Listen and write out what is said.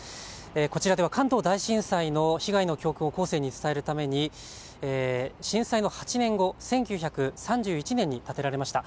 こちらでは関東大震災の被害の教訓を後世に伝えるために震災の８年後、１９３１年に建てられました。